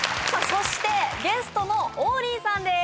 そしてゲストの王林さんです